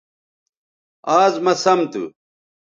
آز مہ سم تھو